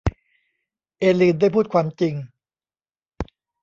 เอลีนได้พูดความจริง